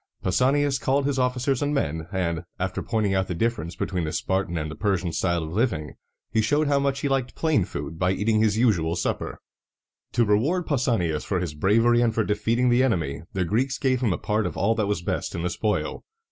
Pausanias called his officers and men, and, after pointing out the difference between the Spartan and the Persian style of living, he showed how much he liked plain food by eating his usual supper. To reward Pausanias for his bravery and for defeating the enemy, the Greeks gave him a part of all that was best in the spoil.